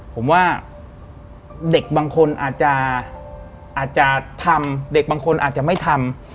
ผมว่าเด็กบางคนอาจจะทำเด็กบางคนอาจจะไม่ทำ